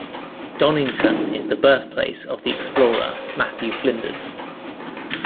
Donington is the birthplace of the explorer Matthew Flinders.